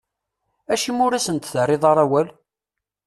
Acimi ur asent-d-terriḍ ara awal?